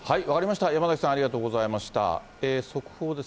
分かりました、山崎さん、ありがとうございました。